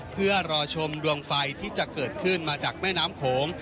เพื่อรอชมดวงไฟที่จะเกิดขึ้นมาจากแม่น้ำโขง